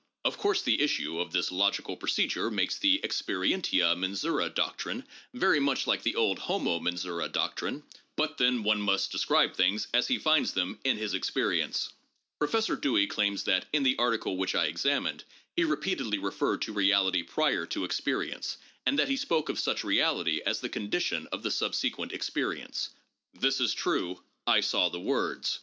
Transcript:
Of course the issue of this logical procedure makes the experientia mensura doc trine very much like the old homo mensura doctrine, but then one must describe things as he finds them in his experience. 424 THE PHILOSOPHICAL REVIEW. Professor Dewey claims that, in the article which I examined, he repeatedly referred to reality prior to experience, and that he spoke of such reality as the condition of the subsequent experience. This is true : I saw the words.